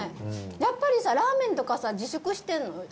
やっぱりさラーメンとか自粛してんの？